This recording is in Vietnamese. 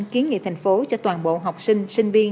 kiến nghị thành phố cho toàn bộ học sinh sinh viên